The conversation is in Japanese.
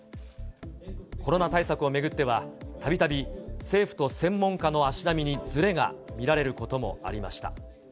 コロナ対策を巡っては、たびたび政府と専門家の足並みにずれが見られることもありました。